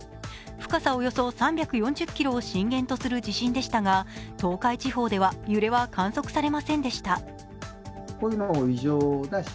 深さおよそ３４０ｋｍを震源とする地震でしたが東海地方では揺れは観測されませんでした。